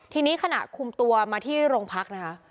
ทีนี้ขณะคุมตัวมาที่โรงพักนะคะ